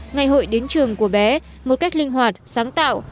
ngày hội đến trường của bé một cách linh hoạt sáng tạo